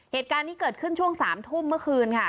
เหตุการณ์นี้เกิดขึ้นช่วง๓ทุ่มเมื่อคืนค่ะ